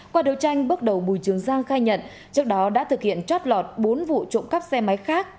qua đấu tranh bước đầu bùi trường giang khai nhận trước đó đã thực hiện chót lọt bốn vụ trộm cắp xe máy khác